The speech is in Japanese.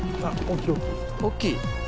大っきい？